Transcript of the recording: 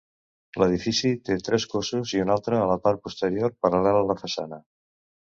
L'edifici té tres cossos i un altre a la part posterior, paral·lel a la façana.